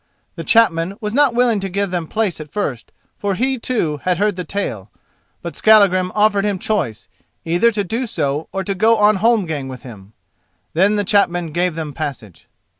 The chapman was not willing to give them place at first, for he, too, had heard the tale; but Skallagrim offered him choice, either to do so or to go on holmgang with him. Then the chapman gave them passage.